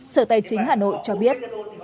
sở tài chính hà nội cho biết